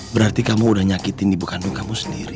berarti kamu udah nyakitin ibu kandung kamu sendiri